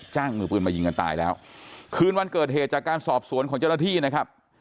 มือปืนมายิงกันตายแล้วคืนวันเกิดเหตุจากการสอบสวนของเจ้าหน้าที่นะครับ